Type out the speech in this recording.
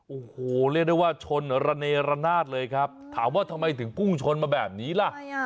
โอ้โหเรียกได้ว่าชนระเนระนาดเลยครับถามว่าทำไมถึงพุ่งชนมาแบบนี้ล่ะ